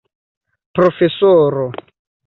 profesoro